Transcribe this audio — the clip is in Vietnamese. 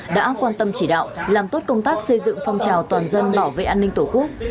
đã quan tâm chỉ đạo làm tốt công tác xây dựng phong trào toàn dân bảo vệ an ninh tổ quốc